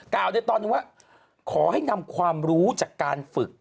กล่าวในตอนนี้ว่าขอให้นำความรู้จากการฝึก